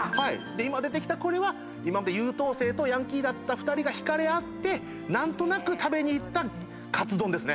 今出てきたこれは優等生とヤンキーだった２人が引かれ合って何となく食べに行ったカツ丼ですね。